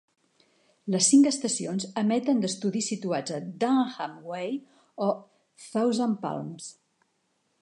Les cinc estacions emeten d'estudis situats a Dunham Way, a Thousand Palms.